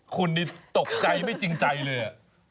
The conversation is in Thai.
คุณนี่ตกใจไม่จริงใจเลย